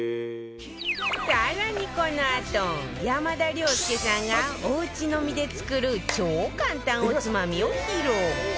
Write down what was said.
更にこのあと山田涼介さんがおうち飲みで作る超簡単おつまみを披露